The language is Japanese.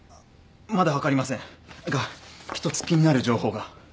まだ分かりませんが１つ気になる情報が。